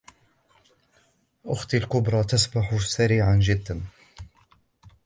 أختي الكبرى تسبح سريعا جدا